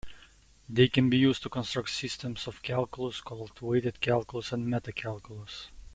They can be used to construct systems of calculus called "weighted calculus" and "meta-calculus".